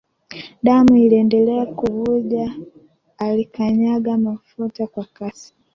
Damu iliendelea kuvuja alikanyaga Mafuta kwa kasi